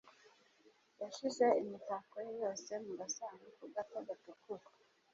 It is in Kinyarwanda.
Yashyize imitako ye yose mu gasanduku gato gatukura.